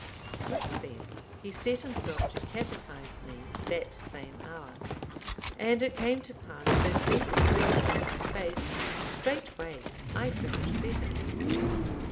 This said, he set himself to catechize me that same hour; and it came to pass that when he breathed on my face,(790) straightway I felt better.